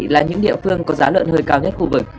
là những địa phương có giá lợn hơi cao nhất khu vực